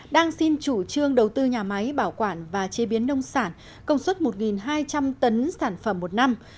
đang xin chủ trương đầu tư nhà máy bảo quản và chế biến nông sản công suất một hai trăm linh tấn sản phẩm một năm